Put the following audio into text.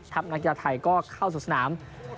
นักกีฬาไทยก็เข้าสู่สนาม